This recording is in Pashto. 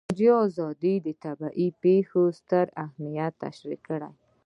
ازادي راډیو د طبیعي پېښې ستر اهميت تشریح کړی.